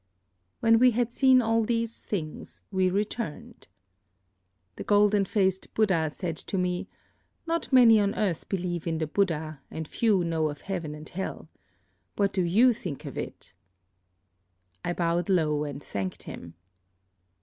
When we had seen all these things we returned. "The golden faced Buddha said to me, 'Not many on earth believe in the Buddha, and few know of heaven and hell. What do you think of it?' "I bowed low and thanked him.